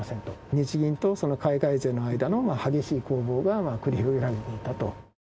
日銀と海外勢の間の、激しい攻防が繰り広げられていたと。